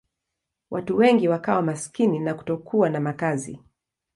Watu wengi wakawa maskini na kutokuwa na makazi.